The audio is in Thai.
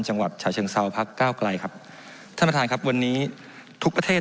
จังหวัดฉะเชิงเซาพักเก้าไกลครับท่านประธานครับวันนี้ทุกประเทศ